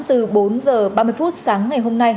từ bốn h ba mươi phút sáng ngày hôm nay